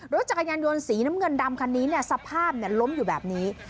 รถจักรยานยนต์สีน้ำเงินดำคันนี้สภาพล้มอยู่แบบนี้